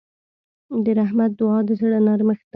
د رحمت دعا د زړه نرمښت ده.